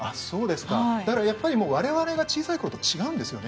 だから、我々が小さい頃と違うんですよね。